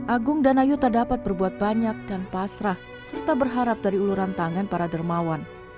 agung danayuta dapat berbuat banyak dan pasrah serta berharap dari uluran tangan para dermawan